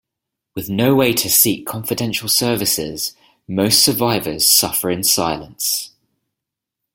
With no way to seek confidential services, most survivors suffer in silence.